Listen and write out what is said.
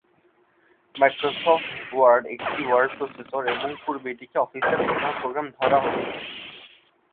Microsoft Word একটি word processor এবং পূর্বে এটিকে অফিসের প্রধান প্রোগ্রাম ধরা হত।